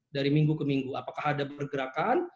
dari minggu ke minggu apakah ada pergerakan